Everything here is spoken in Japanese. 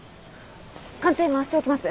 鑑定回しておきます。